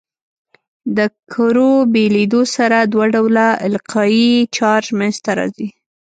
د کرو بېلېدو سره دوه ډوله القایي چارج منځ ته راځي.